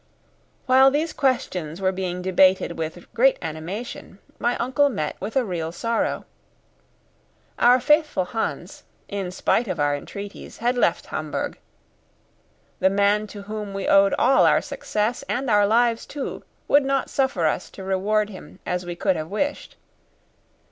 While these questions were being debated with great animation, my uncle met with a real sorrow. Our faithful Hans, in spite of our entreaties, had left Hamburg; the man to whom we owed all our success and our lives too would not suffer us to reward him as we could have wished.